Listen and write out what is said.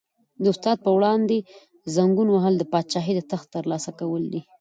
د استاد په وړاندې زنګون وهل د پاچاهۍ د تخت تر لاسه کول دي.